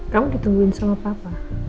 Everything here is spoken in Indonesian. kamu ditungguin sama papa